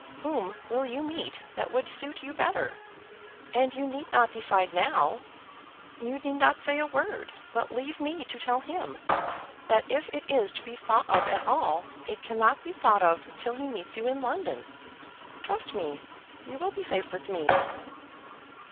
Whom will you meet that would suit you better? And you need not decide now. You need not say a word, but leave me to tell him, that if it is to be thought of at all, it cannot be thought of till he meets you in London. Trust me, you will be safe with me."